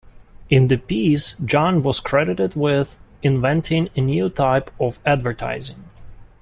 In the piece John was credited with inventing a new type of advertising.